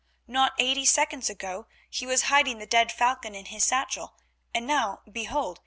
Not eighty seconds ago he was hiding the dead falcon in his satchel, and now behold!